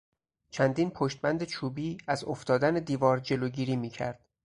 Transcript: چندین پشتبند چوبی از افتادن دیوار جلوگیری میکرد.